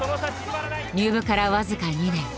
入部から僅か２年。